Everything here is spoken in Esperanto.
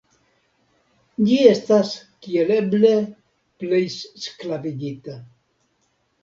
Ĝi estas kiel eble plej sklavigita.